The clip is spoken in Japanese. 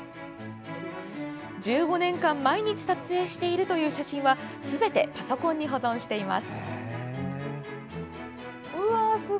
１５年間毎日撮影しているという写真はすべてパソコンに保存しています。